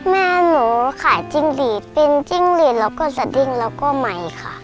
แม่หนูขายจิ้งหลีดตินจิ้งหลีดแล้วก็สดิ้งแล้วก็ใหม่ค่ะ